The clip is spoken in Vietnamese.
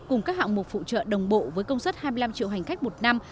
cùng các hạng mục phụ trợ đồng bộ với công suất hai mươi năm triệu hành khách một năm